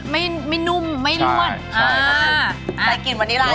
อ๋อมันจะไม่นุ่มไม่ร่วน